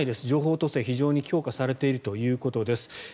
情報統制が非常に強化されているということです。